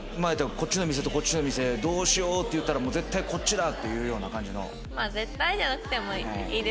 こっちの店とこっちの店どうしようって言ったら絶対こっちだっていうような感じの。